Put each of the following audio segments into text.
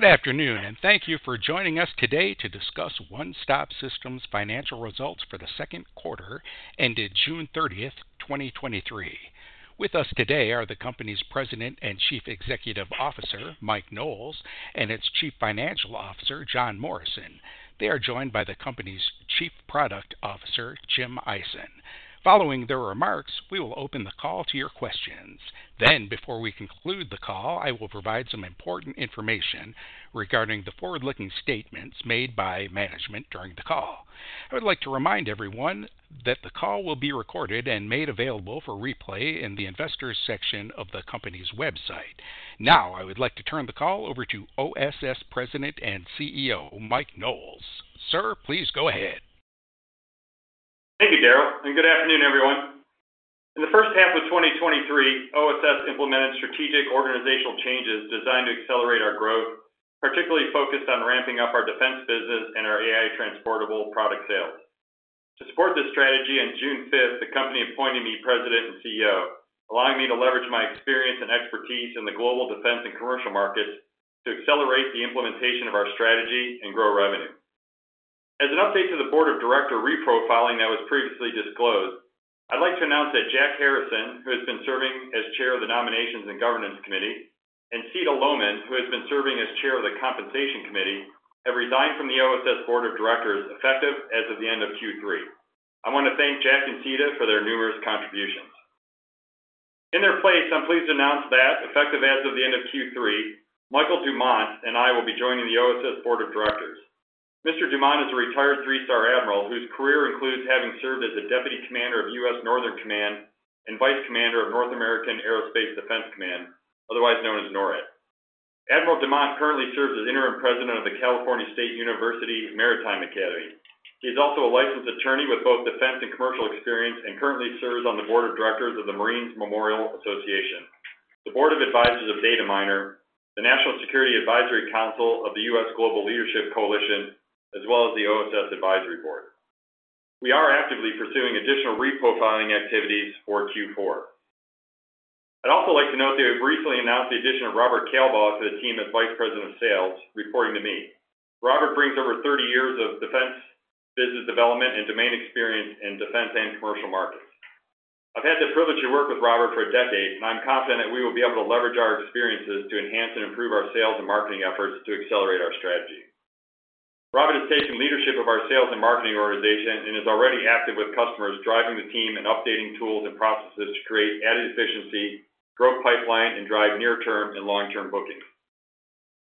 Good afternoon, thank you for joining us today to discuss One Stop Systems' financial results for the second quarter, ended June 30th, 2023. With us today are the company's President and Chief Executive Officer, Mike Knowles, and its Chief Financial Officer, John Morrison. They are joined by the company's Chief Product Officer, Jim Ison. Following their remarks, we will open the call to your questions. Before we conclude the call, I will provide some important information regarding the forward-looking statements made by management during the call. I would like to remind everyone that the call will be recorded and made available for replay in the Investors section of the company's website. I would like to turn the call over to OSS President and CEO, Mike Knowles. Sir, please go ahead. Thank you, Daryl. Good afternoon, everyone. In the first half of 2023, OSS implemented strategic organizational changes designed to accelerate our growth, particularly focused on ramping up our defense business and our AI Transportable product sales. To support this strategy, on June 5th, the company appointed me President and CEO, allowing me to leverage my experience and expertise in the global defense and commercial markets to accelerate the implementation of our strategy and grow revenue. As an update to the board of director reprofiling that was previously disclosed, I'd like to announce that Jack Harrison, who has been serving as Chair of the Nominating and Governance Committee, and Sita L. Lowman, who has been serving as Chair of the Compensation Committee, have resigned from the OSS board of directors, effective as of the end of Q3. I want to thank Jack and Sita for their numerous contributions. In their place, I'm pleased to announce that, effective as of the end of Q3, Michael Dumont and I will be joining the OSS board of directors. Mr. Dumont is a retired three-star admiral, whose career includes having served as the Deputy Commander of U.S. Northern Command and Vice Commander of North American Aerospace Defense Command, otherwise known as NORAD. Admiral Dumont currently serves as interim president of the California State University Maritime Academy. He's also a licensed attorney with both defense and commercial experience, and currently serves on the board of directors of the Marines' Memorial Association, the Board of Advisors of Dataminr, the National Security Advisory Council of the U.S. Global Leadership Coalition, as well as the OSS Advisory Board. We are actively pursuing additional reprofiling activities for Q4. I'd also like to note that we have recently announced the addition of Robert Kalbaugh to the team as Vice President of Sales, reporting to me. Robert brings over 30 years of defense, business development, and domain experience in defense and commercial markets. I've had the privilege to work with Robert for a decade, and I'm confident that we will be able to leverage our experiences to enhance and improve our sales and marketing efforts to accelerate our strategy. Robert has taken leadership of our sales and marketing organization and is already active with customers, driving the team and updating tools and processes to create added efficiency, grow pipeline, and drive near-term and long-term bookings.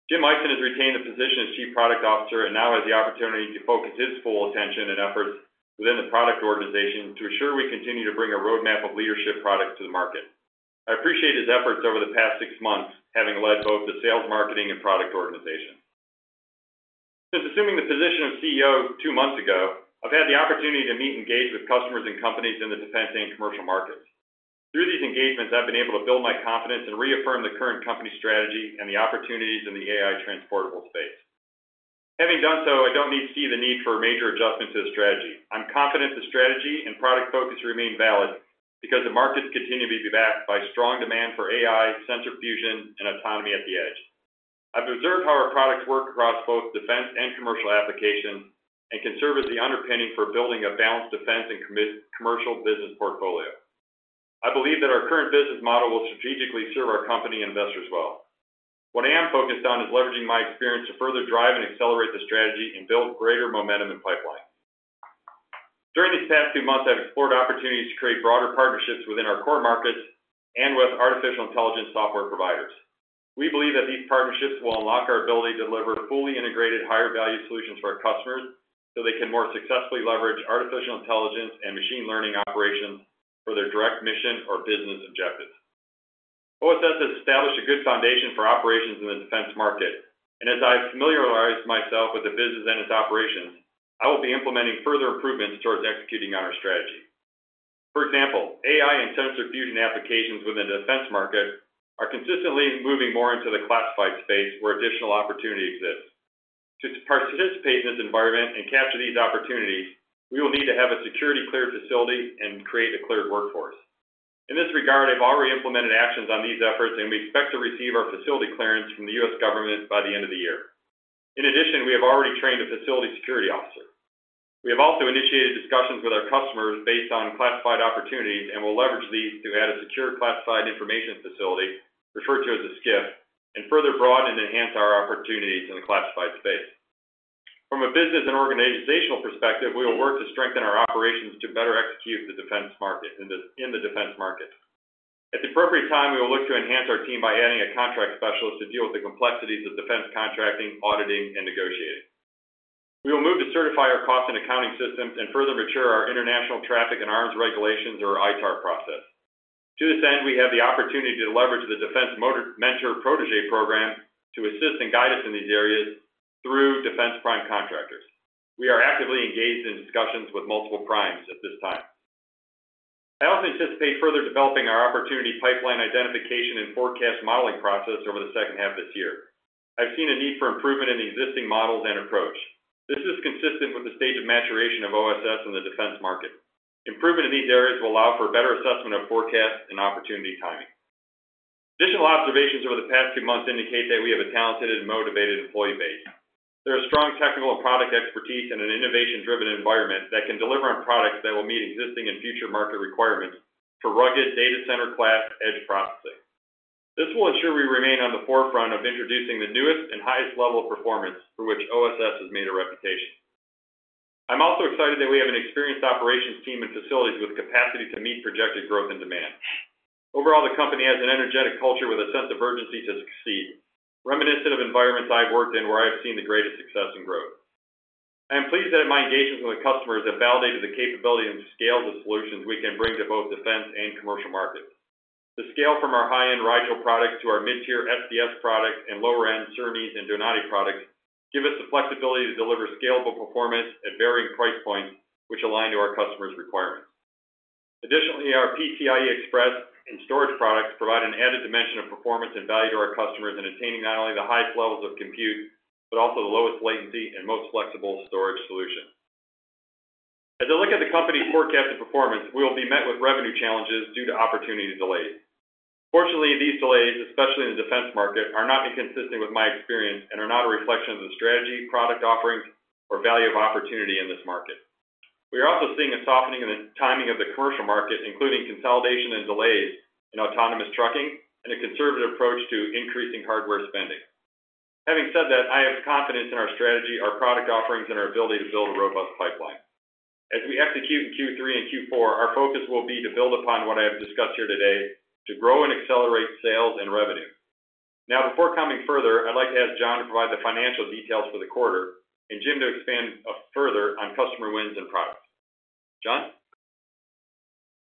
Jim Ison has retained a position as Chief Product Officer and now has the opportunity to focus his full attention and efforts within the product organization to ensure we continue to bring a roadmap of leadership products to the market. I appreciate his efforts over the past six months, having led both the sales, marketing, and product organization. Since assuming the position of CEO two months ago, I've had the opportunity to meet and engage with customers and companies in the defense and commercial markets. Through these engagements, I've been able to build my confidence and reaffirm the current company strategy and the opportunities in the AI Transportable space. Having done so, I don't need to see the need for a major adjustment to the strategy. I'm confident the strategy and product focus remain valid because the markets continue to be backed by strong demand for AI, sensor fusion, and autonomy at the edge. I've observed how our products work across both defense and commercial applications and can serve as the underpinning for building a balanced defense and commercial business portfolio. I believe that our current business model will strategically serve our company and investors well. What I am focused on is leveraging my experience to further drive and accelerate the strategy and build greater momentum and pipeline. During these past two months, I've explored opportunities to create broader partnerships within our core markets and with artificial intelligence software providers. We believe that these partnerships will unlock our ability to deliver fully integrated, higher-value solutions for our customers, so they can more successfully leverage artificial intelligence and machine learning operations for their direct mission or business objectives. OSS has established a good foundation for operations in the defense market, and as I've familiarized myself with the business and its operations, I will be implementing further improvements towards executing on our strategy. For example, AI and sensor fusion applications within the defense market are consistently moving more into the classified space where additional opportunity exists. To participate in this environment and capture these opportunities, we will need to have a security-cleared facility and create a cleared workforce. In this regard, I've already implemented actions on these efforts, and we expect to receive our facility clearance from the U.S. government by the end of the year. In addition, we have already trained a facility security officer. We have also initiated discussions with our customers based on classified opportunities and will leverage these to add a secure classified information facility, referred to as a SCIF, and further broaden and enhance our opportunities in the classified space. From a business and organizational perspective, we will work to strengthen our operations to better execute the defense market, in the defense market. At the appropriate time, we will look to enhance our team by adding a contract specialist to deal with the complexities of defense contracting, auditing, and negotiating. We will move to certify our cost and accounting systems and further mature our International Traffic in Arms Regulations or ITAR process. To this end, we have the opportunity to leverage the Defense Mentor-Protege Program to assist and guide us in these areas through defense prime contractors. We are actively engaged in discussions with multiple primes at this time. I also anticipate further developing our opportunity pipeline identification and forecast modeling process over the second half of this year. I've seen a need for improvement in the existing models and approach. This is consistent with the stage of maturation of OSS in the defense market. Improvement in these areas will allow for a better assessment of forecast and opportunity timing. Additional observations over the past two months indicate that we have a talented and motivated employee base. There are strong technical and product expertise in an innovation-driven environment that can deliver on products that will meet existing and future market requirements for rugged data center class edge processing. This will ensure we remain on the forefront of introducing the newest and highest level of performance for which OSS has made a reputation. I'm also excited that we have an experienced operations team and facilities with capacity to meet projected growth and demand. Overall, the company has an energetic culture with a sense of urgency to succeed, reminiscent of environments I've worked in, where I've seen the greatest success and growth. I am pleased that my engagements with the customers have validated the capability and scale of the solutions we can bring to both defense and commercial markets. The scale from our high-end Rigel products to our mid-tier SDS products and lower-end Cernis and Donati products, give us the flexibility to deliver scalable performance at varying price points, which align to our customers' requirements. Additionally, our PCIe Express and storage products provide an added dimension of performance and value to our customers in attaining not only the highest levels of compute, but also the lowest latency and most flexible storage solution. As I look at the company's forecasted performance, we will be met with revenue challenges due to opportunity delays. Fortunately, these delays, especially in the defense market, are not inconsistent with my experience and are not a reflection of the strategy, product offerings, or value of opportunity in this market. We are also seeing a softening in the timing of the commercial market, including consolidation and delays in autonomous trucking and a conservative approach to increasing hardware spending. Having said that, I have confidence in our strategy, our product offerings, and our ability to build a robust pipeline. As we execute in Q3 and Q4, our focus will be to build upon what I have discussed here today to grow and accelerate sales and revenue. Before coming further, I'd like to ask John to provide the financial details for the quarter and Jim to expand further on customer wins and products. John?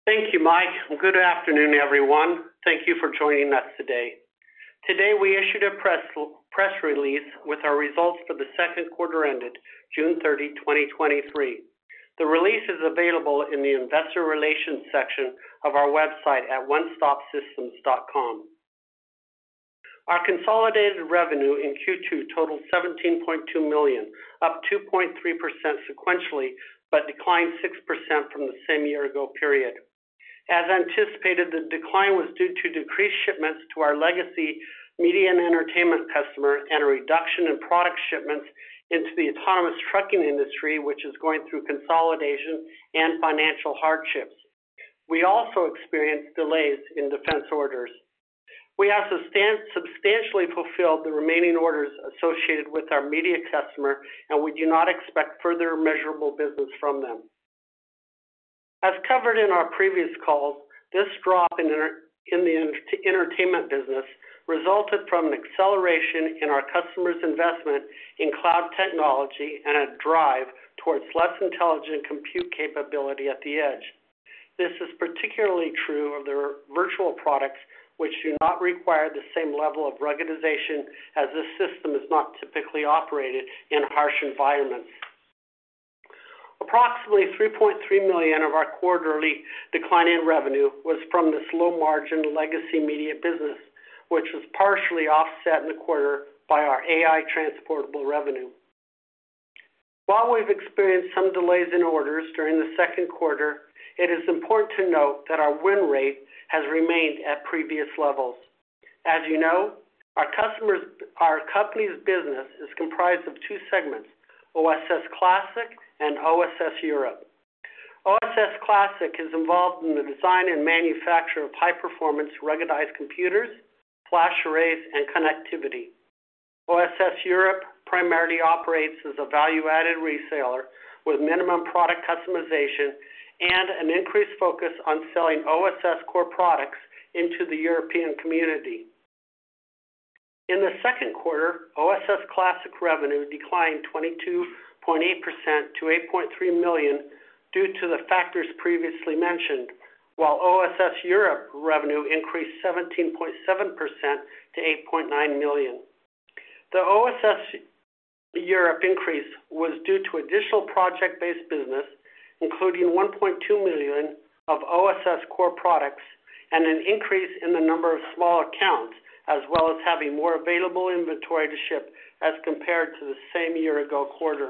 Thank you, Mike. Good afternoon, everyone. Thank you for joining us today. Today, we issued a press release with our results for the second quarter ended June 30th, 2023. The release is available in the investor relations section of our website at onestopsystems.com. Our consolidated revenue in Q2 totaled $17.2 million, up 2.3% sequentially, but declined 6% from the same year-ago period. As anticipated, the decline was due to decreased shipments to our legacy media and entertainment customer, and a reduction in product shipments into the autonomous trucking industry, which is going through consolidation and financial hardships. We also experienced delays in defense orders. We have substantially fulfilled the remaining orders associated with our media customer, and we do not expect further measurable business from them. As covered in our previous calls, this drop in entertainment business resulted from an acceleration in our customer's investment in cloud technology and a drive towards less intelligent compute capability at the edge. This is particularly true of their virtual products, which do not require the same level of ruggedization as this system is not typically operated in harsh environments. Approximately $3.3 million of our quarterly decline in revenue was from this low-margin legacy media business, which was partially offset in the quarter by our AI Transportable revenue. While we've experienced some delays in orders during the second quarter, it is important to note that our win rate has remained at previous levels. As you know, our customers, our company's business is comprised of two segments, OSS Classic and OSS Europe. OSS Classic is involved in the design and manufacture of high-performance, ruggedized computers, flash arrays, and connectivity. OSS Europe primarily operates as a value-added reseller with minimum product customization and an increased focus on selling OSS Core Products into the European community. In the second quarter, OSS Classic revenue declined 22.8% to $8.3 million due to the factors previously mentioned, while OSS Europe revenue increased 17.7% to $8.9 million. The OSS Europe increase was due to additional project-based business, including $1.2 million of OSS Core Products and an increase in the number of small accounts, as well as having more available inventory to ship as compared to the same year ago quarter.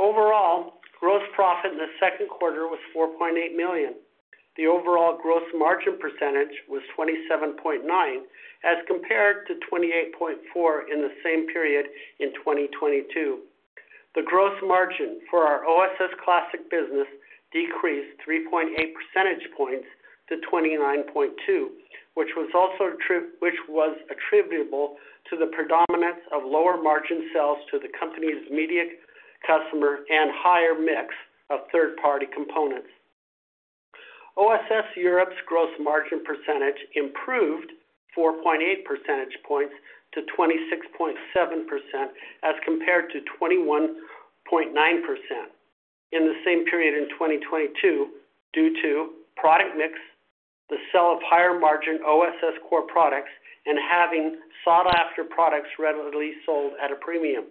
Overall, gross profit in the second quarter was $4.8 million. The overall gross margin percentage was 27.9, as compared to 28.4 in the same period in 2022. The gross margin for our OSS Classic business decreased 3.8 percentage points to 29.2, which was attributable to the predominance of lower margin sales to the company's media customer and higher mix of third-party components. OSS Europe's gross margin % improved 4.8 percentage points to 26.7%, as compared to 21.9% in the same period in 2022, due to product mix, the sell of higher-margin OSS Core Products, and having sought-after products readily sold at a premium.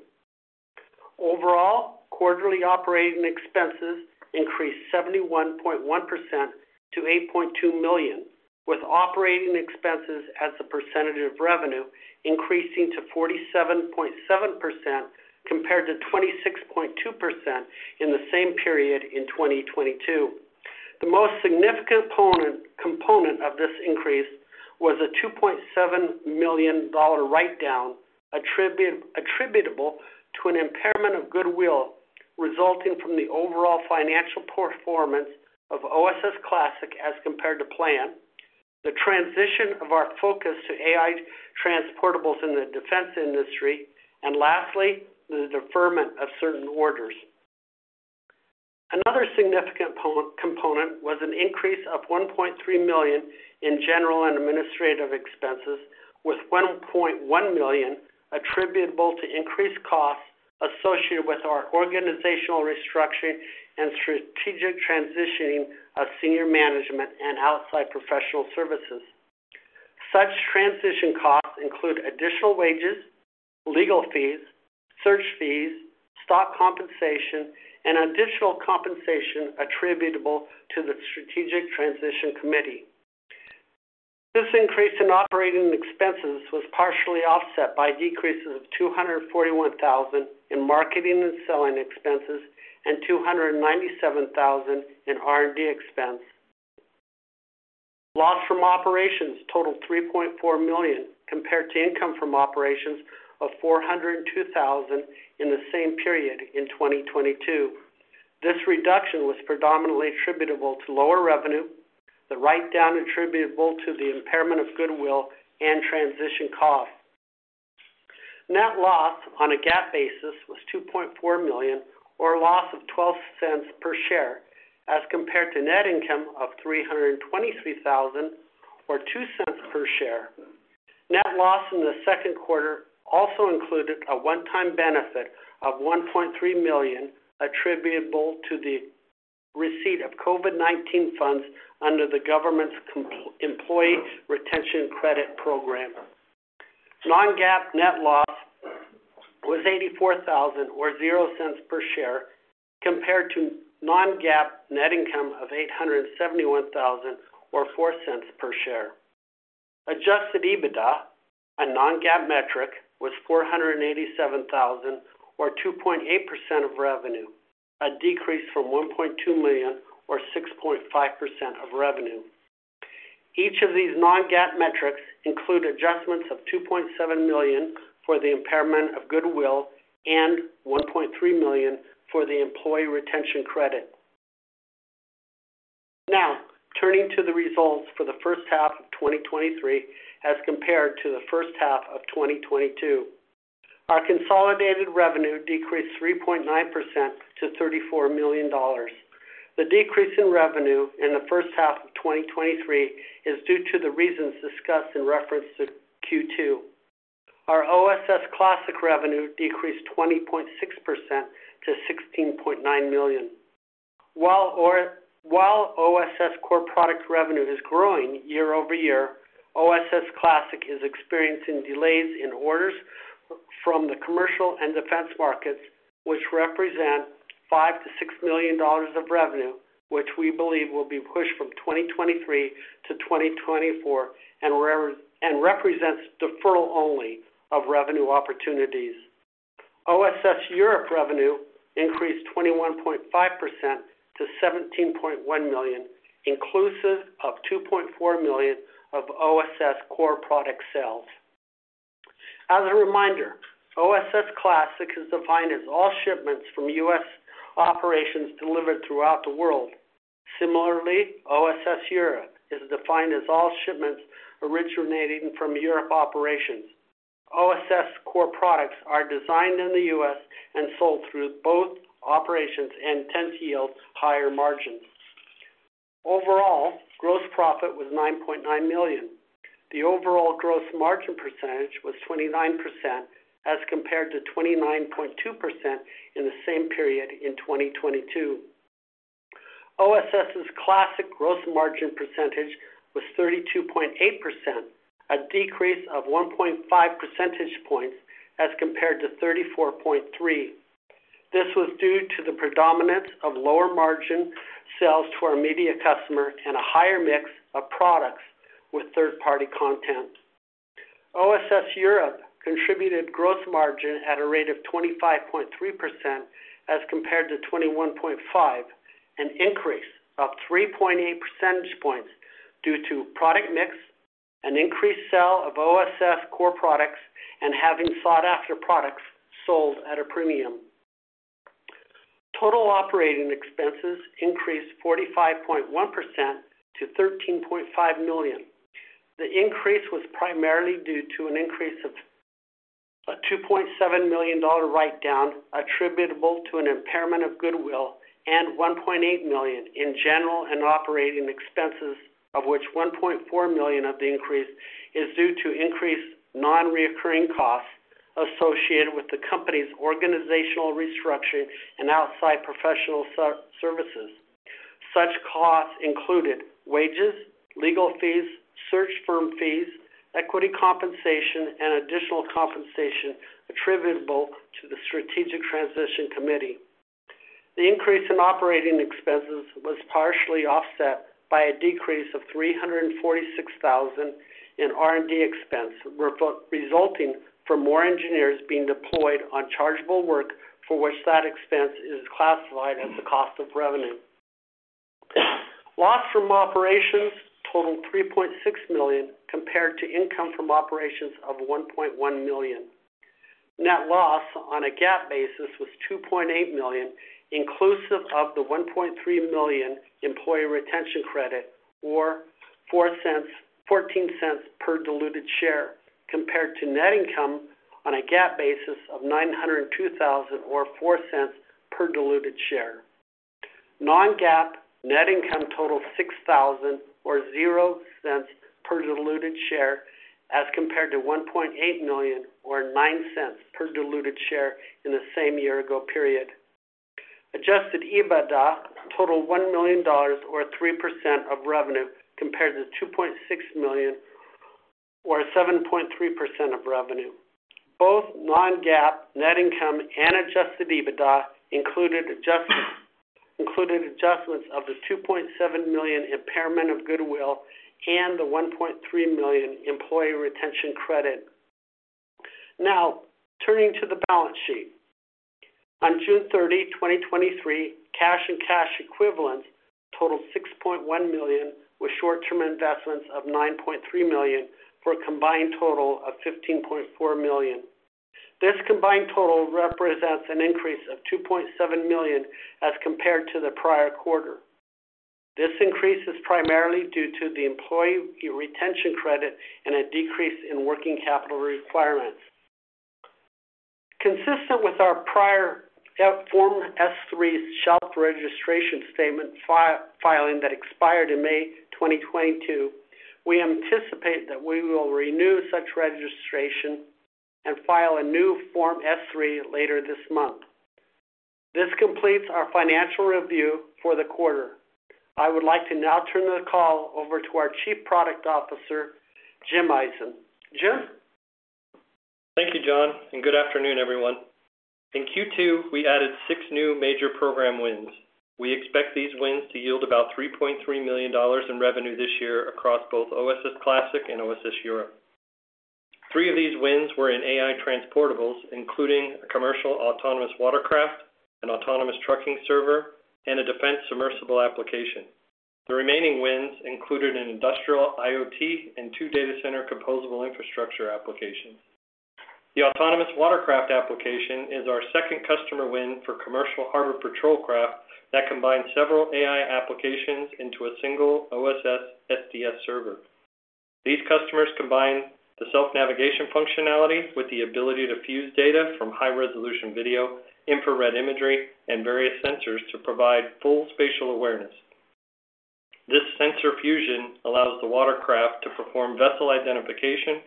Overall, quarterly operating expenses increased 71.1% to $8.2 million. with operating expenses as a percentage of revenue increasing to 47.7%, compared to 26.2% in the same period in 2022. The most significant component of this increase was a $2.7 million write-down, attributable to an impairment of goodwill, resulting from the overall financial performance of OSS Classic as compared to plan, the transition of our focus to AI Transportables in the defense industry, and lastly, the deferment of certain orders. Another significant component was an increase of $1.3 million in general and administrative expenses, with $1.1 million attributable to increased costs associated with our organizational restructuring and strategic transitioning of senior management and outside professional services. Such transition costs include additional wages, legal fees, search fees, stock compensation, and additional compensation attributable to the Strategic Transition Committee. This increase in operating expenses was partially offset by decreases of $241,000 in marketing and selling expenses and $297,000 in R&D expense. Loss from operations totaled $3.4 million, compared to income from operations of $402,000 in the same period in 2022. This reduction was predominantly attributable to lower revenue, the write-down attributable to the impairment of goodwill and transition costs. Net loss on a GAAP basis was $2.4 million, or a loss of $0.12 per share, as compared to net income of $323,000, or $0.02 per share. Net loss in the second quarter also included a one-time benefit of $1.3 million, attributable to the receipt of COVID-19 funds under the government's Employee Retention Credit program. Non-GAAP net loss was $84,000 or $0.00 per share, compared to non-GAAP net income of $871,000 or $0.04 per share. Adjusted EBITDA, a non-GAAP metric, was $487,000 or 2.8% of revenue, a decrease from $1.2 million or 6.5% of revenue. Each of these non-GAAP metrics include adjustments of $2.7 million for the impairment of goodwill and $1.3 million for the Employee Retention Credit. Turning to the results for the first half of 2023 as compared to the first half of 2022. Our consolidated revenue decreased 3.9% to $34 million. The decrease in revenue in the first half of 2023 is due to the reasons discussed in reference to Q2. Our OSS Classic revenue decreased 20.6% to $16.9 million. While OSS Core Products revenue is growing year-over-year, OSS Classic is experiencing delays in orders from the commercial and defense markets, which represent $5 million-$6 million of revenue, which we believe will be pushed from 2023 to 2024, and represents deferral only of revenue opportunities. OSS Europe revenue increased 21.5% to $17.1 million, inclusive of $2.4 million of OSS Core Products sales. As a reminder, OSS Classic is defined as all shipments from US operations delivered throughout the world. Similarly, OSS Europe is defined as all shipments originating from Europe operations. OSS Core Products are designed in the US and sold through both operations and tend to yield higher margins. Overall, gross profit was $9.9 million. The overall gross margin percentage was 29%, as compared to 29.2% in the same period in 2022. OSS Classic gross margin percentage was 32.8%, a decrease of 1.5 percentage points as compared to 34.3%. This was due to the predominance of lower margin sales to our media customer and a higher mix of products with third-party content. OSS Europe contributed gross margin at a rate of 25.3% as compared to 21.5%, an increase of 3.8 percentage points due to product mix, an increased sale of OSS Core Products, and having sought-after products sold at a premium. Total operating expenses increased 45.1% to $13.5 million. The increase was primarily due to an increase of a $2.7 million write-down attributable to an impairment of goodwill and $1.8 million in general and operating expenses, of which $1.4 million of the increase is due to increased non-recurring costs associated with the company's organizational restructuring and outside professional services. Such costs included wages, legal fees, search firm fees, equity compensation, and additional compensation attributable to the Strategic Transition Committee. The increase in operating expenses was partially offset by a decrease of $346,000 in R&D expense, resulting from more engineers being deployed on chargeable work, for which that expense is classified as a cost of revenue. Loss from operations totaled $3.6 million, compared to income from operations of $1.1 million. Net loss on a GAAP basis was $2.8 million, inclusive of the $1.3 million Employee Retention Credit, or $0.14 per diluted share, compared to net income on a GAAP basis of $902,000 or $0.04 per diluted share. Non-GAAP net income totaled $6,000 or $0.00 per diluted share, as compared to $1.8 million or $0.09 per diluted share in the same year ago period. Adjusted EBITDA totaled $1 million or 3% of revenue, compared to $2.6 million or 7.3% of revenue. Both non-GAAP net income and Adjusted EBITDA included adjustments, including adjustments of the $2.7 million impairment of goodwill and the $1.3 million Employee Retention Credit. Turning to the balance sheet. On June 30th, 2023, cash and cash equivalents totaled $6.1 million, with short-term investments of $9.3 million, for a combined total of $15.4 million. This combined total represents an increase of $2.7 million as compared to the prior quarter. This increase is primarily due to the Employee Retention Credit and a decrease in working capital requirements. Consistent with our prior Form S-3 shelf registration statement filing that expired in May 2022, we anticipate that we will renew such registration and file a new Form S-3 later this month. This completes our financial review for the quarter. I would like to now turn the call over to our Chief Product Officer, Jim Ison. Jim? Thank you, John, and good afternoon, everyone. In Q2, we added six new major program wins. We expect these wins to yield about $3.3 million in revenue this year across both OSS Classic and OSS Europe. Three of these wins were in AI Transportable, including a commercial autonomous watercraft, an autonomous trucking server, and a defense submersible application. The remaining wins included an industrial IoT and two data center composable infrastructure applications. The autonomous watercraft application is our second customer win for commercial harbor patrol craft that combines several AI applications into a single OSS SDS server. These customers combine the self-navigation functionality with the ability to fuse data from high-resolution video, infrared imagery, and various sensors to provide full spatial awareness. This sensor fusion allows the watercraft to perform vessel identification,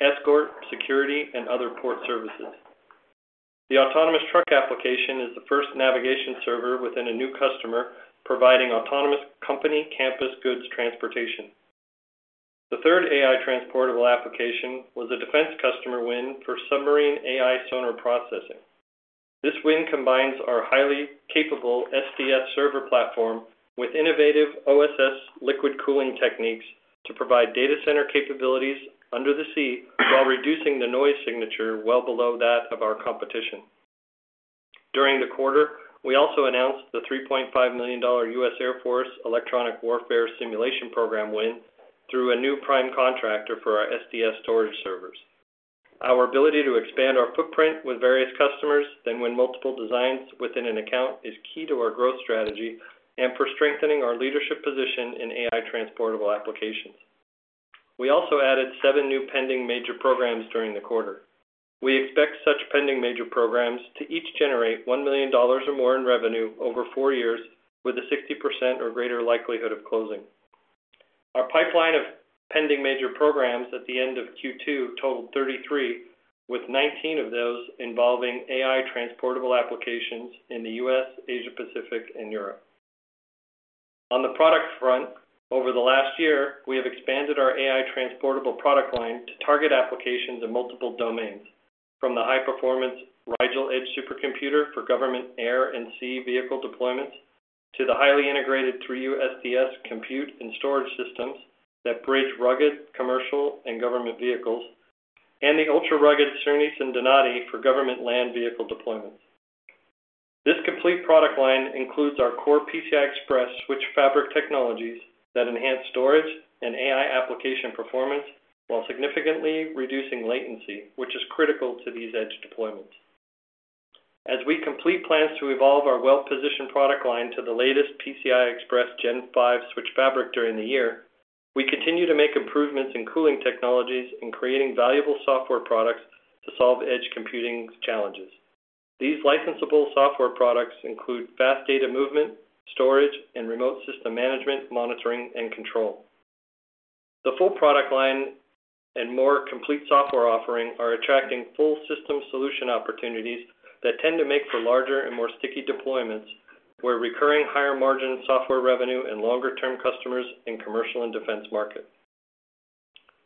escort, security, and other port services. The autonomous truck application is the first navigation server within a new customer, providing autonomous company campus goods transportation. The third AI transportable application was a defense customer win for submarine AI sonar processing. This win combines our highly capable SDS server platform with innovative OSS liquid cooling techniques to provide data center capabilities under the sea while reducing the noise signature well below that of our competition. During the quarter, we also announced the $3.5 million US Air Force Electronic Warfare Simulation Program win through a new prime contractor for our SDS storage servers. Our ability to expand our footprint with various customers and win multiple designs within an account is key to our growth strategy and for strengthening our leadership position in AI transportable applications. We also added seven new pending major programs during the quarter. We expect such pending major programs to each generate $1 million or more in revenue over four years, with a 60% or greater likelihood of closing. Our pipeline of pending major programs at the end of Q2 totaled 33, with 19 of those involving AI Transportable applications in the U.S., Asia Pacific, and Europe. On the product front, over the last year, we have expanded our AI Transportable product line to target applications in multiple domains, from the high-performance Rigel Edge supercomputer for government air and sea vehicle deployments, to the highly integrated 3U SDS compute and storage systems that bridge rugged, commercial, and government vehicles, and the ultra-rugged Cernis/Donati for government land vehicle deployments. This complete product line includes our core PCI Express switch fabric technologies that enhance storage and AI application performance while significantly reducing latency, which is critical to these edge deployments. As we complete plans to evolve our well-positioned product line to the latest PCI Express Gen 5 switch fabric during the year, we continue to make improvements in cooling technologies and creating valuable software products to solve edge computing's challenges. These licensable software products include fast data movement, storage, and remote system management, monitoring, and control. The full product line and more complete software offering are attracting full system solution opportunities that tend to make for larger and more sticky deployments, where recurring higher-margin software revenue and longer-term customers in commercial and defense markets.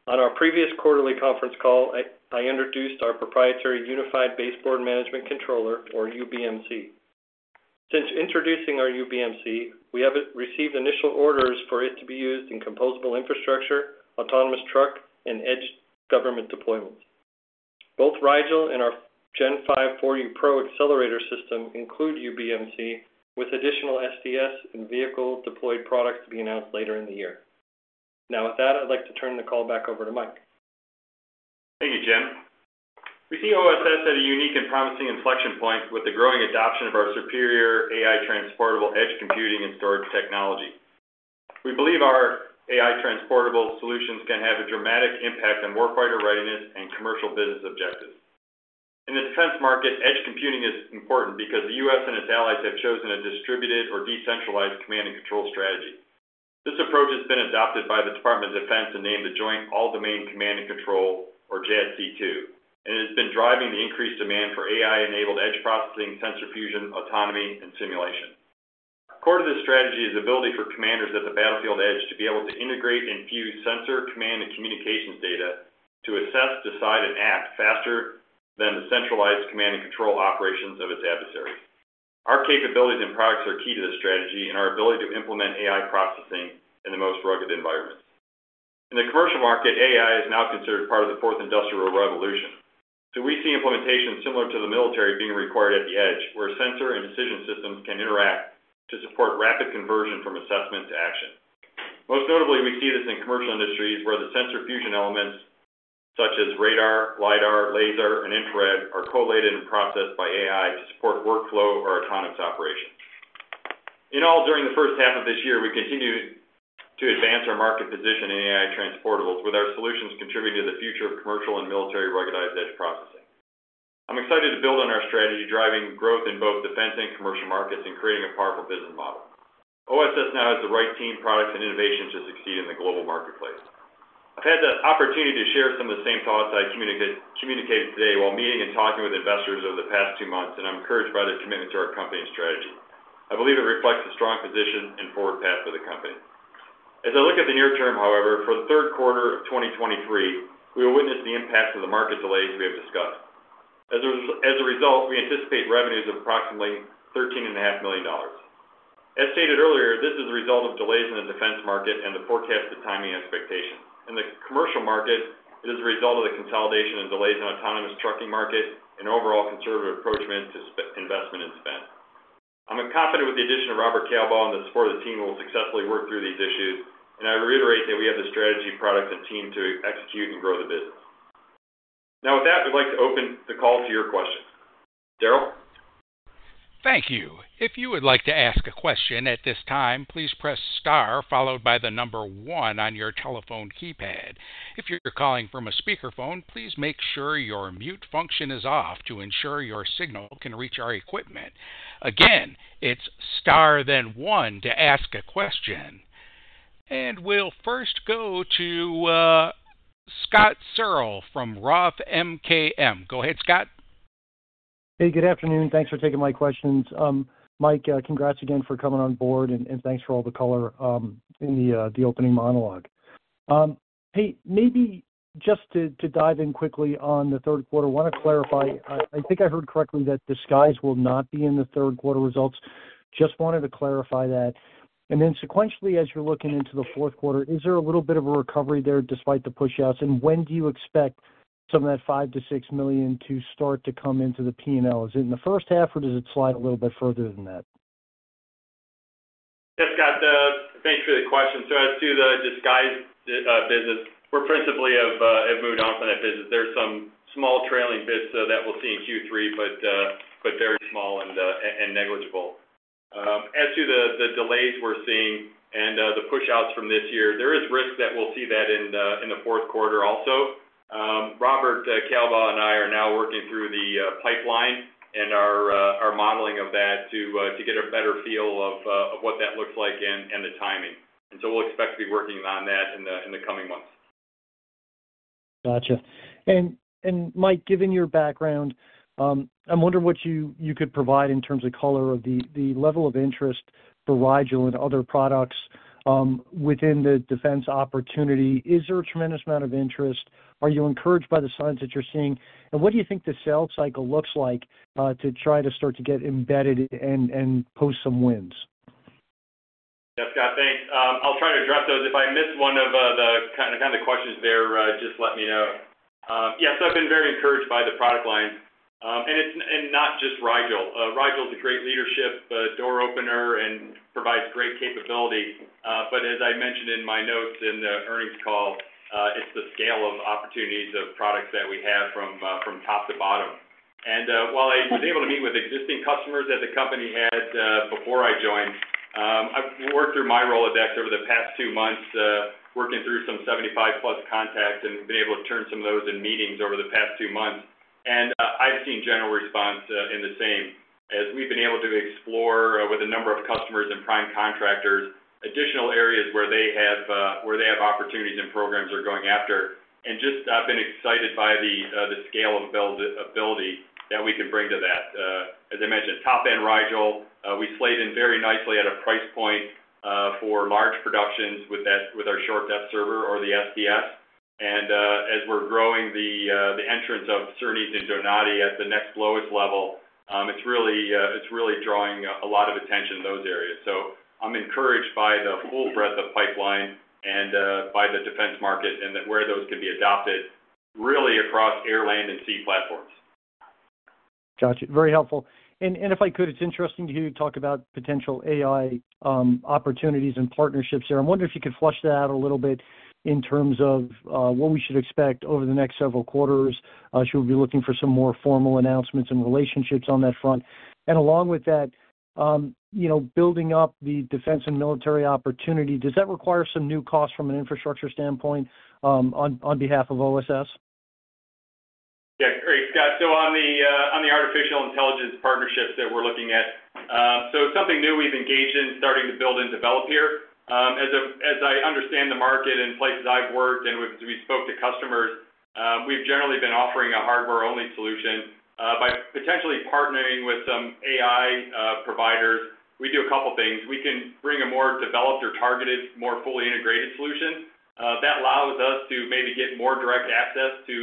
On our previous quarterly conference call, I introduced our proprietary Unified Baseboard Management Controller or UBMC. Since introducing our UBMC, we have received initial orders for it to be used in composable infrastructure, autonomous truck, and edge government deployments. Both Rigel and our Gen 5 4U Pro Accelerator system include UBMC, with additional SDS and vehicle-deployed products to be announced later in the year. With that, I'd like to turn the call back over to Mike. Thank you, Jim. We see OSS at a unique and promising inflection point with the growing adoption of our superior AI Transportable edge computing and storage technology. We believe our AI Transportable solutions can have a dramatic impact on warfighter readiness and commercial business objectives. In the defense market, edge computing is important because the U.S. and its allies have chosen a distributed or decentralized command and control strategy. This approach has been adopted by the Department of Defense and named the Joint All-Domain Command and Control, or JADC2, and has been driving the increased demand for AI-enabled edge processing, sensor fusion, autonomy, and simulation. Core to this strategy is the ability for commanders at the battlefield edge to be able to integrate and fuse sensor, command, and communications data to assess, decide, and act faster than the centralized command and control operations of its adversary. Our capabilities and products are key to this strategy and our ability to implement AI processing in the most rugged environments. We see implementations similar to the military being required at the edge, where sensor and decision systems can interact to support rapid conversion from assessment to action. Most notably, we see this in commercial industries, where the sensor fusion elements such as radar, LiDAR, laser, and infrared, are collated and processed by AI to support workflow or autonomous operations. In all, during the first half of this year, we continued to advance our market position in AI Transportables, with our solutions contributing to the future of commercial and military ruggedized edge processing. I'm excited to build on our strategy, driving growth in both defense and commercial markets and creating a powerful business model. OSS now has the right team, products, and innovations to succeed in the global marketplace. I've had the opportunity to share some of the same thoughts I communicated today while meeting and talking with investors over the past two months, and I'm encouraged by their commitment to our company and strategy. I believe it reflects a strong position and forward path for the company. As I look at the near term, however, for the third quarter of 2023, we will witness the impact of the market delays we have discussed. As a result, we anticipate revenues of approximately $13.5 million. As stated earlier, this is a result of delays in the defense market and the forecasted timing expectations. In the commercial market, it is a result of the consolidation and delays in autonomous trucking market and overall conservative approachment to investment and spend. I'm confident with the addition of Robert Kalbaugh and the support of the team, we will successfully work through these issues. I reiterate that we have the strategy, products, and team to execute and grow the business. Now, with that, we'd like to open the call to your questions. Daryl? Thank you. If you would like to ask a question at this time, please press star followed by the 1 on your telephone keypad. If you're calling from a speakerphone, please make sure your mute function is off to ensure your signal can reach our equipment. Again, it's star, then 1 to ask a question. We'll first go to Scott Searle from Roth MKM. Go ahead, Scott. Hey, good afternoon, thanks for taking my questions. Mike, congrats again for coming on board, thanks for all the color in the opening monologue. Hey, maybe just to dive in quickly on the third quarter, want to clarify, I think I heard correctly that the Disguise will not be in the third quarter results. Just wanted to clarify that. Sequentially, as you're looking into the fourth quarter, is there a little bit of a recovery there despite the pushouts? When do you expect some of that $5 million-$6 million to start to come into the P&L? Is it in the first half, or does it slide a little bit further than that? Yeah, Scott, thanks for the question. As to the Disguise business, we're principally of have moved on from that business. There's some small trailing bits that we'll see in Q3, but very small and negligible. As to the delays we're seeing and the pushouts from this year, there is risk that we'll see that in the fourth quarter also. Robert Kalbaugh and I are now working through the pipeline and our modeling of that to get a better feel of what that looks like and the timing. We'll expect to be working on that in the coming months. Gotcha. Mike, given your background, I'm wondering what you, you could provide in terms of color of the, the level of interest for Rigel and other products, within the defense opportunity. Is there a tremendous amount of interest? Are you encouraged by the signs that you're seeing? What do you think the sales cycle looks like, to try to start to get embedded and, and post some wins? Yeah, Scott, thanks. I'll try to address those. If I miss one of the kinda the questions there, just let me know. Yes, I've been very encouraged by the product line. And it's, and not just Rigel. Rigel is a great leadership door opener and provides great capability. But as I mentioned in my notes in the earnings call, it's the scale of opportunities of products that we have from top to bottom. While I was able to meet with existing customers that the company had, before I joined, I've worked through my Rolodex over the past two months, working through some 75+ contacts and been able to turn some of those in meetings over the past two months. I've seen general response in the same as we've been able to explore with a number of customers and prime contractors, additional areas where they have where they have opportunities and programs they're going after. Just I've been excited by the the scale of buildability that we can bring to that. As I mentioned, top-end Rigel, we slayed in very nicely at a price point for large productions with that, with our short depth server or the SDS. As we're growing the the entrance of Cernis and Donati at the next lowest level, it's really it's really drawing a lot of attention in those areas. I'm encouraged by the full breadth of pipeline and by the defense market and that where those can be adopted really across air, land, and sea platforms. Got you. Very helpful. If I could, it's interesting to hear you talk about potential AI opportunities and partnerships there. I'm wondering if you could flush that out a little bit in terms of what we should expect over the next several quarters? Should we be looking for some more formal announcements and relationships on that front? Along with that, you know, building up the defense and military opportunity, does that require some new costs from an infrastructure standpoint on behalf of OSS? Great, Scott. On the on the artificial intelligence partnerships that we're looking at, it's something new we've engaged in starting to build and develop here. As the, as I understand the market and places I've worked, and we've, we spoke to customers, we've generally been offering a hardware-only solution. By potentially partnering with some AI providers, we do a couple things. We can bring a more developed or targeted, more fully integrated solution. That allows us to maybe get more direct access to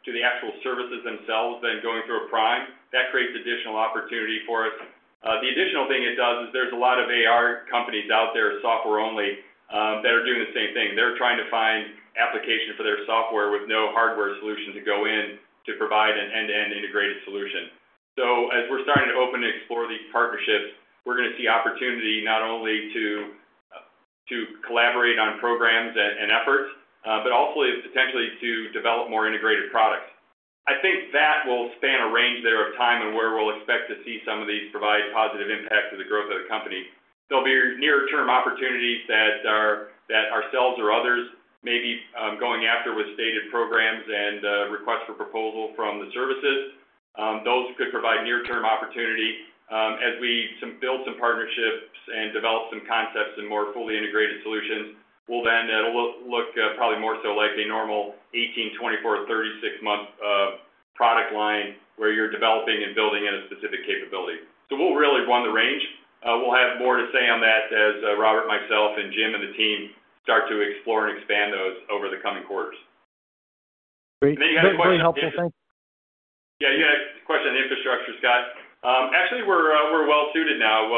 to the actual services themselves than going through a prime. That creates additional opportunity for us. The additional thing it does is there's a lot of AI companies out there, software only, that are doing the same thing. They're trying to find application for their software with no hardware solution to go in to provide an end-to-end integrated solution. As we're starting to open and explore these partnerships, we're gonna see opportunity not only to collaborate on programs and efforts, but also potentially to develop more integrated products. I think that will span a range there of time and where we'll expect to see some of these provide positive impact to the growth of the company. There'll be near-term opportunities that ourselves or others may be going after with stated programs and request for proposal from the services. Those could provide near-term opportunity. As we build some partnerships and develop some concepts and more fully integrated solutions, we'll then look, look, probably more so like a normal 18, 24, 36 month product line where you're developing and building in a specific capability. We'll really run the range. We'll have more to say on that as Robert, myself, and Jim, and the team start to explore and expand those over the coming quarters. Great. Very, very helpful, thanks. Yeah, you had a question on infrastructure, Scott. Actually, we're well suited now,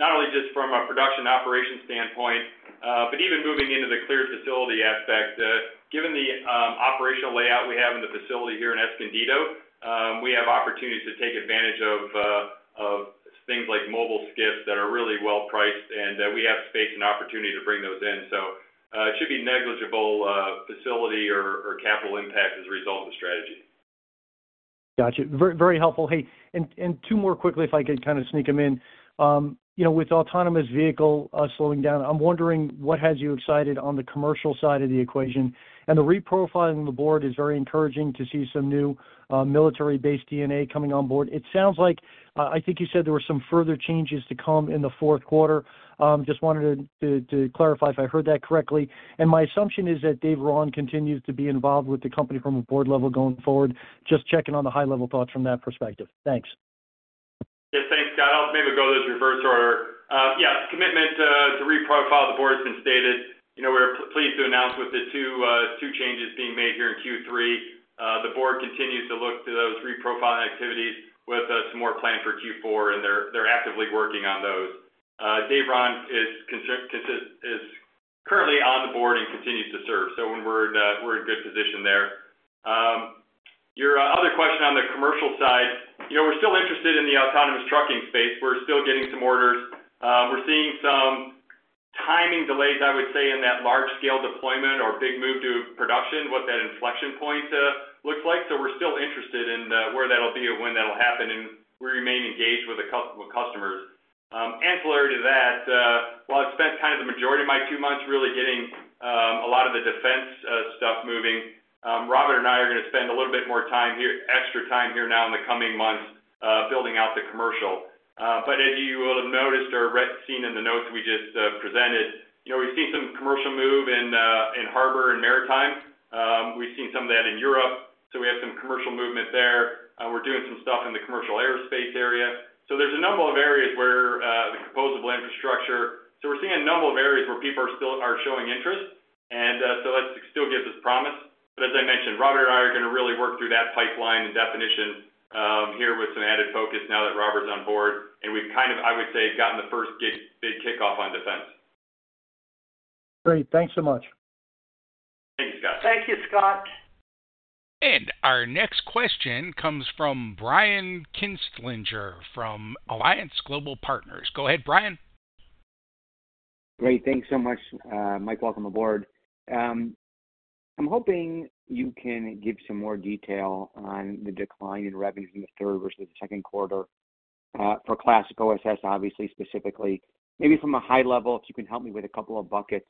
not only just from a production operation standpoint, but even moving into the clear facility aspect. Given the operational layout we have in the facility here in Escondido, we have opportunities to take advantage of things like mobile SCIFs that are really well priced, and we have space and opportunity to bring those in. So, it should be negligible facility or capital impact as a result of the strategy. Got you. Very, very helpful. Hey, and, and two more quickly, if I could kind of sneak them in. You know, with autonomous vehicle slowing down, I'm wondering what has you excited on the commercial side of the equation? The reprofiling of the board is very encouraging to see some new military-based DNA coming on board. It sounds like I think you said there were some further changes to come in the fourth quarter. Just wanted to, to, to clarify if I heard that correctly? My assumption is that David Raun continues to be involved with the company from a board level going forward. Just checking on the high-level thoughts from that perspective. Thanks. Yeah, thanks, Scott. I'll maybe go this reverse order. Yeah, commitment to, to reprofile the board has been stated. You know, we're pleased to announce with the two, two changes being made here in Q3. The board continues to look to those reprofiling activities with some more planned for Q4, and they're, they're actively working on those. David Raun is currently on the board and continues to serve, so we're in a good position there. Your other question on the commercial side, you know, we're still interested in the autonomous trucking space. We're still getting some orders. We're seeing some timing delays, I would say, in that large-scale deployment or big move to production, what that inflection point looks like. We're still interested in where that'll be and when that'll happen, and we remain engaged with customers. Ancillary to that, while I've spent kind of the majority of my two months really getting a lot of the defense stuff moving, Robert and I are gonna spend a little bit more time here, extra time here now in the coming months, building out the commercial. As you will have noticed or read, seen in the notes we just presented, you know, we've seen some commercial move in harbor and maritime. We've seen some of that in Europe, we have some commercial movement there. We're doing some stuff in the commercial aerospace area. There's a number of areas where the composable infrastructure... We're seeing a number of areas where people are still are showing interest, and so that still gives us promise. As I mentioned, Robert and I are gonna really work through that pipeline and definition here with some added focus now that Robert's on board. We've kind of, I would say, gotten the first gig, big kickoff on defense. Great. Thanks so much. Thank you, Scott. Thank you, Scott. Our next question comes from Brian Kinstlinger, from Alliance Global Partners. Go ahead, Brian. Great. Thanks so much, Mike. Welcome aboard. I'm hoping you can give some more detail on the decline in revenues in the third versus the second quarter for OSS Classic, obviously, specifically. Maybe from a high level, if you can help me with a couple of buckets.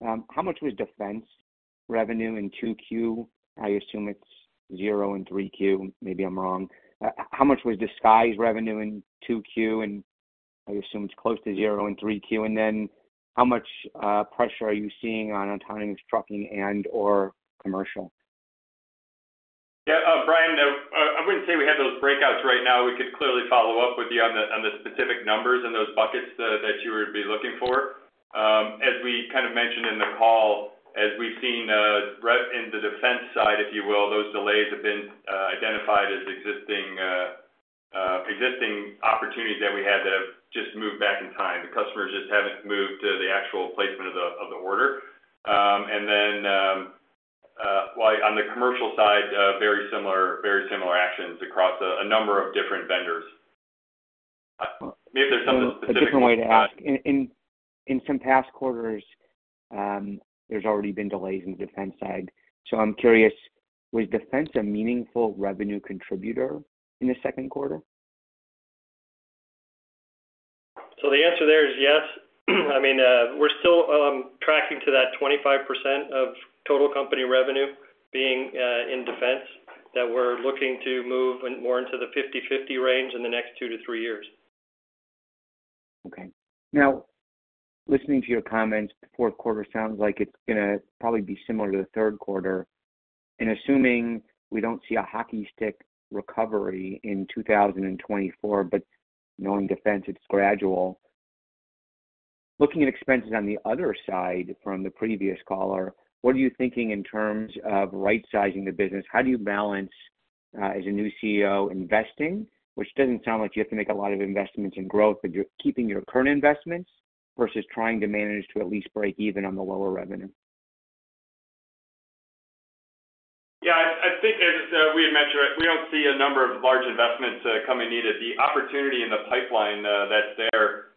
How much was defense revenue in 2Q? I assume it's zero in 3Q. Maybe I'm wrong. How much was Disguise revenue in 2Q? And I assume it's close to zero in 3Q. Then, how much pressure are you seeing on autonomous trucking and, or commercial? Yeah, Brian, I, I wouldn't say we have those breakouts right now. We could clearly follow up with you on the specific numbers and those buckets that you would be looking for. As we kind of mentioned in the call, as we've seen, right in the defense side, if you will, those delays have been identified as existing opportunities that we had to just move back in time. The customers just haven't moved to the actual placement of the order. Why on the commercial side, very similar actions across a number of different vendors. Maybe there's something specific. A different way to ask. In, in, in some past quarters, there's already been delays in the defense side. I'm curious, was defense a meaningful revenue contributor in the second quarter? The answer there is yes. I mean, we're still tracking to that 25% of total company revenue being in defense, that we're looking to move more into the 50/50 range in the next 2 to 3 years. Okay. Now, listening to your comments, the fourth quarter sounds like it's gonna probably be similar to the third quarter. Assuming we don't see a hockey stick recovery in 2024, but knowing defense, it's gradual. Looking at expenses on the other side from the previous caller, what are you thinking in terms of right-sizing the business? How do you balance, as a new CEO investing, which doesn't sound like you have to make a lot of investments in growth, but you're keeping your current investments versus trying to manage to at least break even on the lower revenue? Yeah, I, I think as we had mentioned, we don't see a number of large investments coming needed. The opportunity in the pipeline that's there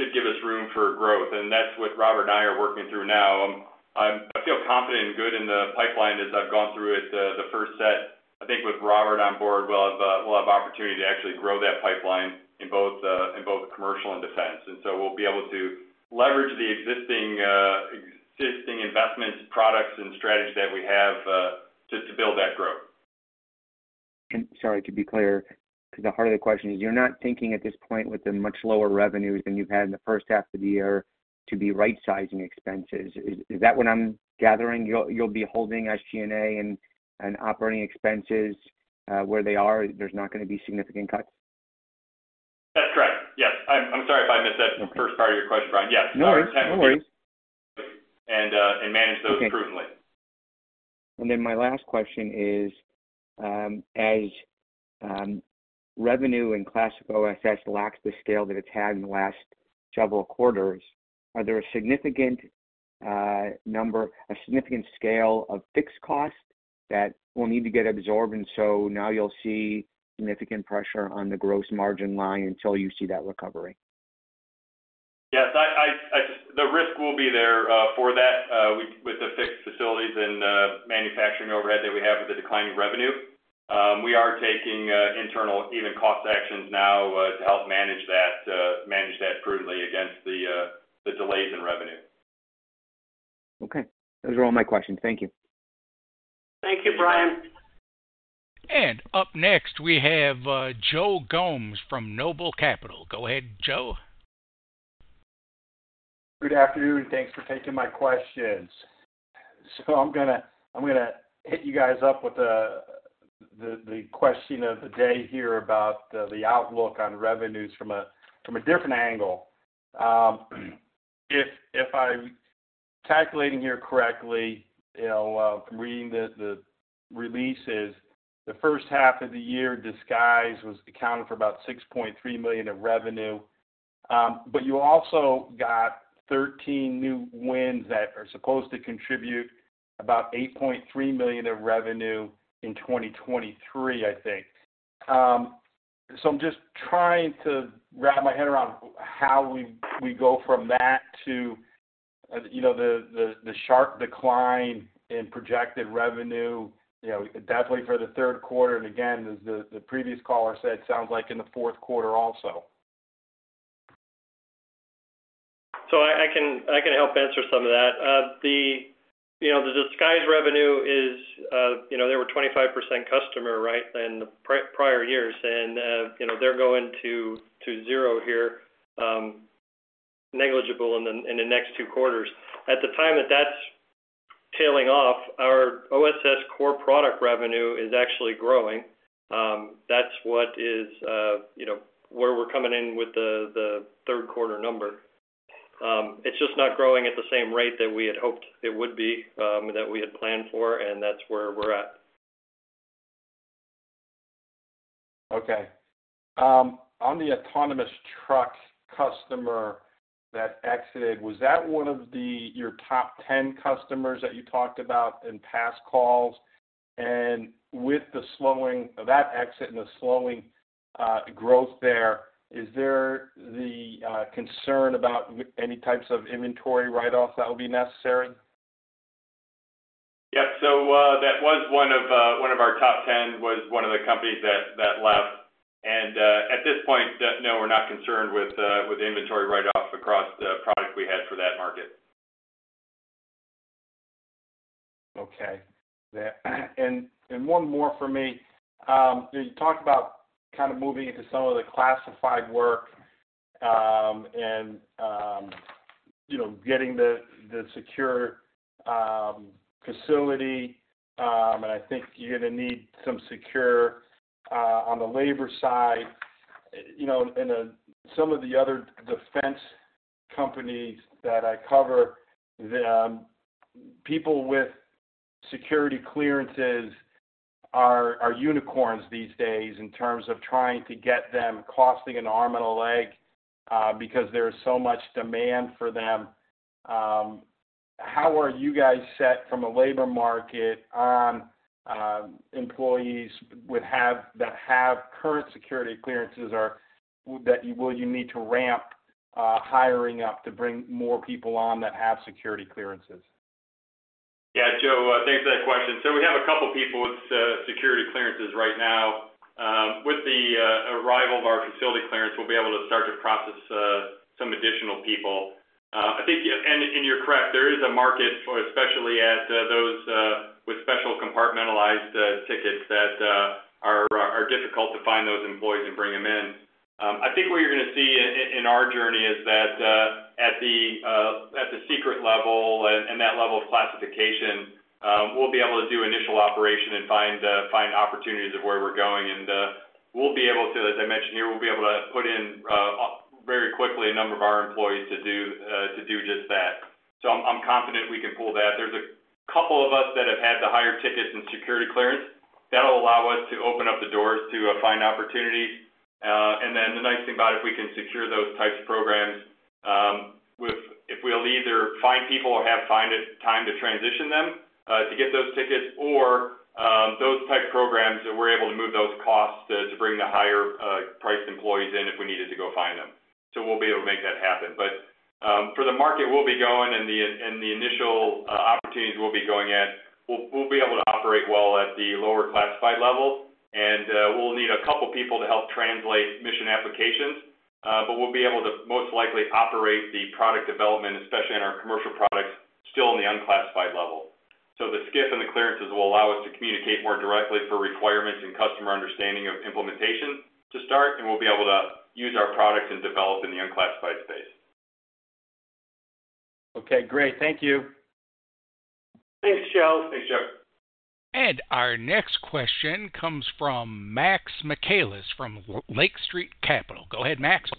should give us room for growth, and that's what Robert and I are working through now. I feel confident and good in the pipeline as I've gone through it, the first set. I think with Robert on board, we'll have, we'll have opportunity to actually grow that pipeline in both, in both commercial and defense. So we'll be able to leverage the existing existing investment products and strategies that we have to, to build that growth. Sorry, to be clear, 'cause the heart of the question is, you're not thinking at this point with the much lower revenues than you've had in the first half of the year to be right-sizing expenses. Is that what I'm gathering? You'll be holding SG&A and operating expenses where they are, there's not gonna be significant cuts? That's correct. Yes. I'm sorry if I missed that. Okay. In the first part of your question, Brian. Yes. No worries. Manage those prudently. Then my last question is, as, revenue and OSS Classic lacks the scale that it's had in the last several quarters, are there a significant number, a significant scale of fixed costs that will need to get absorbed, and so now you'll see significant pressure on the gross margin line until you see that recovery? Yes, I. The risk will be there for that, with, with the fixed facilities and manufacturing overhead that we have with the declining revenue. We are taking internal even cost actions now to help manage that, manage that prudently against the delays in revenue. Okay. Those are all my questions. Thank you. Thank you, Brian. Up next, we have, Joe Gomes from Noble Capital. Go ahead, Joe. Good afternoon, thanks for taking my questions. I'm gonna, I'm gonna hit you guys up with the, the, the question of the day here about the outlook on revenues from a, from a different angle. If, if I'm calculating here correctly, you know, from reading the, the releases, the first half of the year, Disguise was accounted for about $6.3 million of revenue. You also got 13 new wins that are supposed to contribute about $8.3 million of revenue in 2023, I think. I'm just trying to wrap my head around how we, we go from that to, you know, the, the, the sharp decline in projected revenue, you know, definitely for the third quarter, and again, as the, the previous caller said, sounds like in the fourth quarter also. I, I can, I can help answer some of that. The, you know, the Disguise revenue is, you know, they were 25% customer, right, in the pre- prior years. You know, they're going to, to zero here, negligible in the, in the next two quarters. At the time that that's tailing off, our OSS Core Products revenue is actually growing. That's what is, you know, where we're coming in with the, the third quarter number. It's just not growing at the same rate that we had hoped it would be, that we had planned for, and that's where we're at. Okay. On the autonomous truck customer that exited, was that one of the, your top 10 customers that you talked about in past calls? With the slowing of that exit and the slowing, growth there, is there the, concern about any types of inventory write-offs that will be necessary? Yeah. That was one of, one of our top 10, was one of the companies that, that left. At this point, no, we're not concerned with, with inventory write-offs across the product we had for that market. Okay. And one more for me. You talked about kind of moving into some of the classified work, and you know, getting the secure facility, and I think you're gonna need some secure on the labor side. You know, in a some of the other defense companies that I cover, the people with security clearances are unicorns these days in terms of trying to get them, costing an arm and a leg, because there is so much demand for them. How are you guys set from a labor market on employees that have current security clearances or that you will you need to ramp hiring up to bring more people on that have security clearances? Yeah, Joe, thanks for that question. We have a couple people with security clearances right now. With the arrival of our facility clearance, we'll be able to start to process some additional people. I think, yeah, and, and you're correct, there is a market for, especially at those with special compartmentalized tickets that are difficult to find those employees and bring them in. I think what you're gonna see in our journey is that at the at the secret level and, and that level of classification, we'll be able to do initial operation and find find opportunities of where we're going. We'll be able to, as I mentioned here, we'll be able to put in very quickly a number of our employees to do to do just that. I'm confident we can pull that. There's a couple of us that have had the higher tickets and security clearance. That'll allow us to open up the doors to find opportunities. The nice thing about if we can secure those types of programs, with if we'll either find people or time to transition them, to get those tickets or those type of programs that we're able to move those costs, to bring the higher-priced employees in if we needed to go find them. We'll be able to make that happen. For the market, we'll be going and the initial opportunities we'll be going at, we'll be able to operate well at the lower classified level, and we'll need a couple people to help translate mission applications. We'll be able to most likely operate the product development, especially in our commercial products, still in the unclassified level. The SCIF and the clearances will allow us to communicate more directly for requirements and customer understanding of implementation to start, and we'll be able to use our products and develop in the unclassified space. Okay, great. Thank you. Thanks, Joe. Thanks, Joe. Our next question comes from Max Michaelis from Lake Street Capital Markets. Go ahead, Max.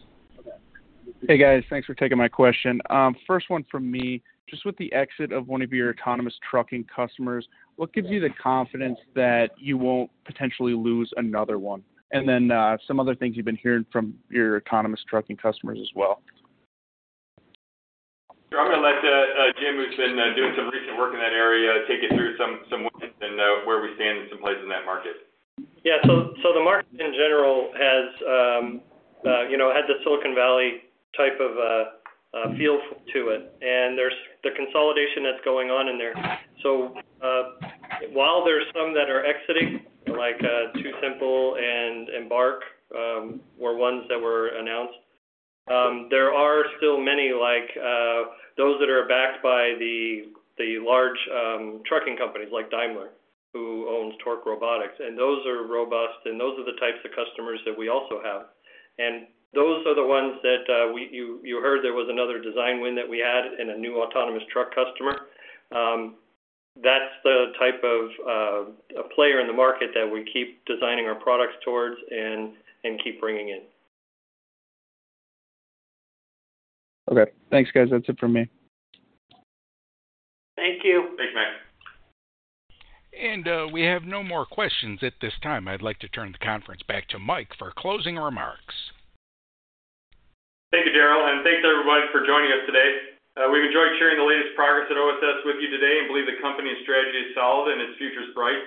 Hey, guys. Thanks for taking my question. First one from me, just with the exit of one of your autonomous trucking customers, what gives you the confidence that you won't potentially lose another one? Some other things you've been hearing from your autonomous trucking customers as well. Sure. I'm gonna let Jim, who's been doing some recent work in that area, take you through some, some wins and where we stand in some places in that market. So, so the market, in general, has, you know, had the Silicon Valley type of feel to it, and there's the consolidation that's going on in there. While there are some that are exiting, like TuSimple and Embark, were ones that were announced, there are still many like those that are backed by the large trucking companies like Daimler, who owns Torc Robotics, and those are robust, and those are the types of customers that we also have. Those are the ones that you, you heard there was another design win that we had in a new autonomous truck customer. That's the type of a player in the market that we keep designing our products towards and, and keep bringing in. Okay. Thanks, guys. That's it for me. Thank you. Thanks, Max. We have no more questions at this time. I'd like to turn the conference back to Mike for closing remarks. Thank you, Daryl, and thanks, everyone, for joining us today. We've enjoyed sharing the latest progress at OSS with you today and believe the company's strategy is solid and its future is bright.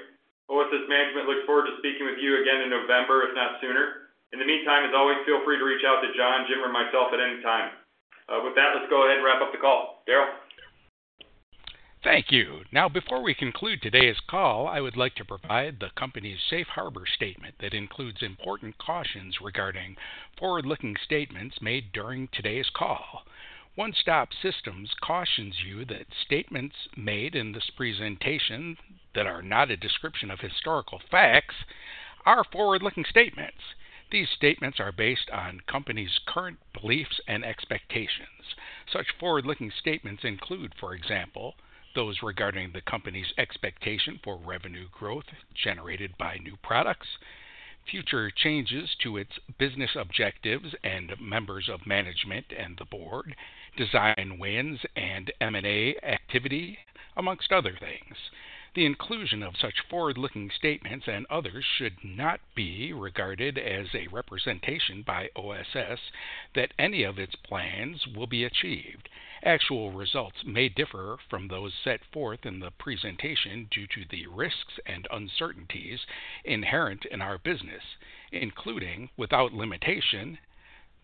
OSS management looks forward to speaking with you again in November, if not sooner. In the meantime, as always, feel free to reach out to John, Jim, or myself at any time. With that, let's go ahead and wrap up the call. Daryl? Thank you. Before we conclude today's call, I would like to provide the company's Safe Harbor statement that includes important cautions regarding forward-looking statements made during today's call. One Stop Systems cautions you that statements made in this presentation that are not a description of historical facts are forward-looking statements. These statements are based on company's current beliefs and expectations. Such forward-looking statements include, for example, those regarding the company's expectation for revenue growth generated by new products, future changes to its business objectives and members of management and the board, design wins, and M&A activity, amongst other things. The inclusion of such forward-looking statements and others should not be regarded as a representation by OSS that any of its plans will be achieved. Actual results may differ from those set forth in the presentation due to the risks and uncertainties inherent in our business, including, without limitation,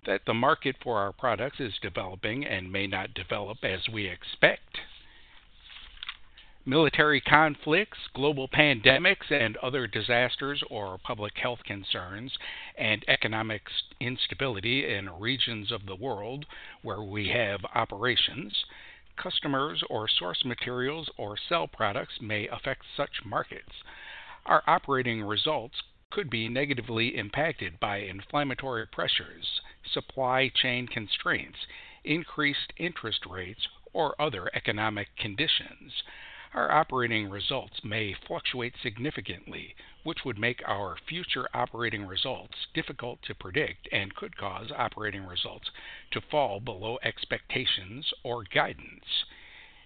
that the market for our products is developing and may not develop as we expect, military conflicts, global pandemics and other disasters or public health concerns, and economic instability in regions of the world where we have operations, customers or source materials or sell products may affect such markets. Our operating results could be negatively impacted by inflammatory pressures, supply chain constraints, increased interest rates, or other economic conditions. Our operating results may fluctuate significantly, which would make our future operating results difficult to predict and could cause operating results to fall below expectations or guidance.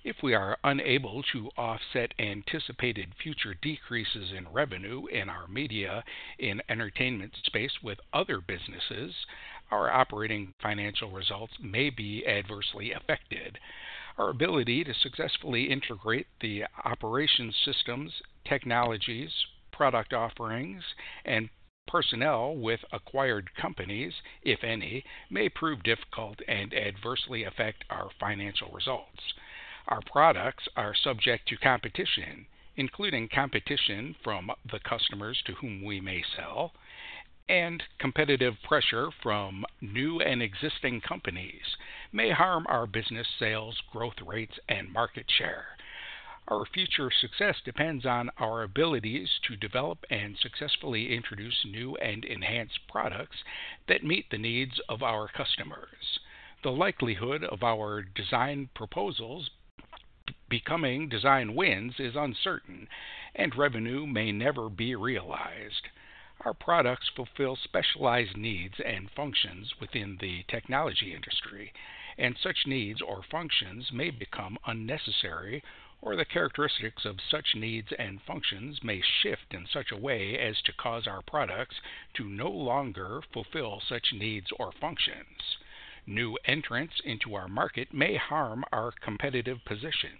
If we are unable to offset anticipated future decreases in revenue in our media, in entertainment space with other businesses, our operating financial results may be adversely affected. Our ability to successfully integrate the operations systems, technologies, product offerings, and personnel with acquired companies, if any, may prove difficult and adversely affect our financial results. Our products are subject to competition, including competition from the customers to whom we may sell, and competitive pressure from new and existing companies may harm our business sales, growth rates, and market share. Our future success depends on our abilities to develop and successfully introduce new and enhanced products that meet the needs of our customers. The likelihood of our design proposals becoming design wins is uncertain, and revenue may never be realized. Our products fulfill specialized needs and functions within the technology industry, and such needs or functions may become unnecessary, or the characteristics of such needs and functions may shift in such a way as to cause our products to no longer fulfill such needs or functions. New entrants into our market may harm our competitive position.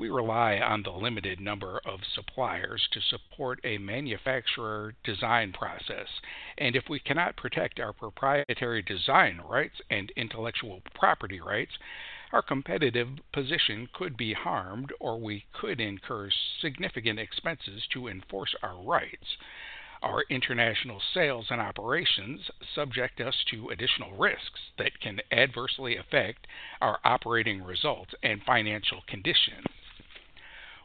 We rely on the limited number of suppliers to support a manufacturer design process, and if we cannot protect our proprietary design rights and intellectual property rights, our competitive position could be harmed, or we could incur significant expenses to enforce our rights. Our international sales and operations subject us to additional risks that can adversely affect our operating results and financial condition.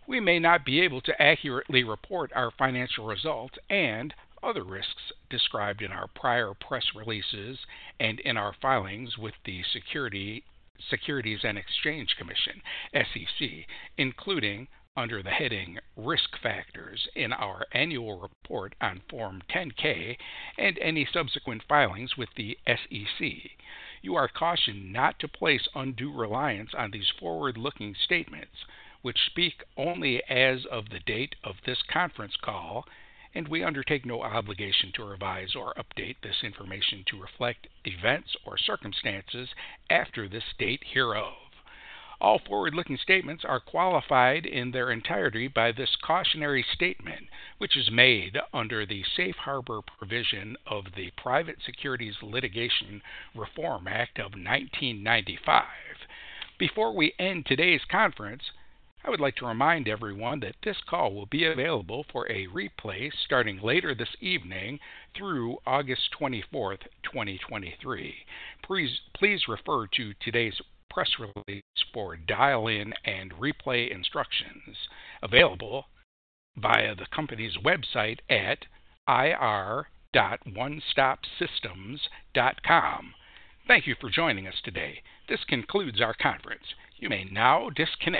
We may not be able to accurately report our financial results and other risks described in our prior press releases and in our filings with the Securities and Exchange Commission, SEC, including under the heading Risk Factors in our annual report on Form 10-K and any subsequent filings with the SEC. You are cautioned not to place undue reliance on these forward-looking statements, which speak only as of the date of this conference call. We undertake no obligation to revise or update this information to reflect events or circumstances after the state hereof. All forward-looking statements are qualified in their entirety by this cautionary statement, which is made under the Safe Harbor provision of the Private Securities Litigation Reform Act of 1995. Before we end today's conference, I would like to remind everyone that this call will be available for a replay starting later this evening through August 24, 2023. Please, please refer to today's press release for dial-in and replay instructions available via the company's website at ir.onestopsystems.com. Thank you for joining us today. This concludes our conference. You may now disconnect.